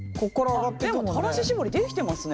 でも垂らし絞りできてますね。